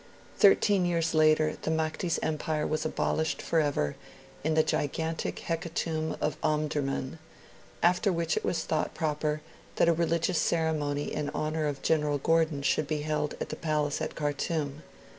Thirteen years later the Mahdi's empire was abolished forever in the gigantic hecatomb of Omdurman; after which it was thought proper that a religious ceremony in honour of General Gordon should be held at the palace at Khartoum.